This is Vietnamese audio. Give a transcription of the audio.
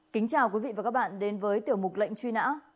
kính chào quý vị và các bạn đến với tiểu mục lệnh truy nã